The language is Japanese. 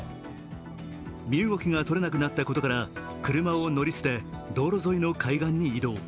身動きがとれなくなったことから車を乗り捨て、道路沿いの海岸に移動。